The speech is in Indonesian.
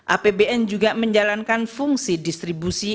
apbn juga menjalankan fungsi distribusi